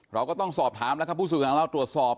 เราก็ต้องสอบถามแล้วครับผู้สื่อข่าวของเราตรวจสอบ